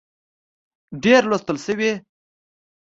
ډېر لوستل شوي